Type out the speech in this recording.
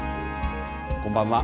こんばんは。